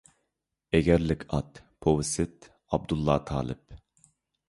«ئېگەرلىك ئات» ، پوۋېست، ئابدۇللا تالىپ.